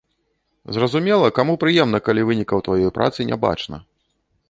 Зразумела, каму прыемна, калі вынікаў тваёй працы не бачна.